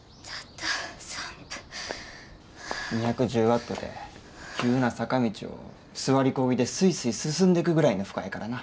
２１０ワットて急な坂道を座りこぎでスイスイ進んでくぐらいの負荷やからな。